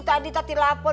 tadi tadi telpon